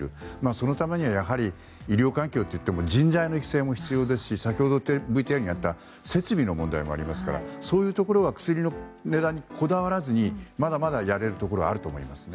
そのためには医療環境といっても人材の育成も必要ですし先ほどのＶＴＲにもあった設備の問題もありますからそういうところは薬の値段にこだわらずにまだまだやれるところはあると思いますね。